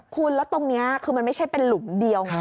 คุณแล้วตรงนี้คือมันไม่ใช่เป็นหลุมเดียวไง